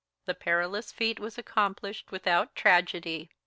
The perilous feat was accomplished without tragedy.